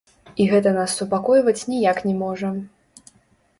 І гэта нас супакойваць ніяк не можа.